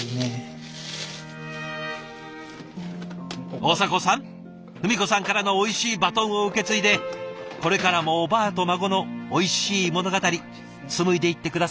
大迫さん文子さんからのおいしいバトンを受け継いでこれからもおばあと孫のおいしい物語紡いでいって下さいね。